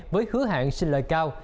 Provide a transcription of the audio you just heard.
với hứa hạn xin lời cao